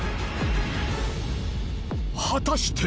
果たして！